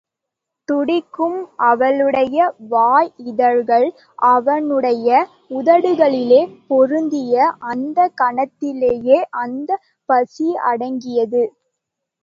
துடிக்கும் அவளுடைய வாயிதழ்கள் அவனுடைய உதடுகளிலே பொருந்திய அந்தக் கணத்திலேயே அந்தப் பசி அடங்கியது.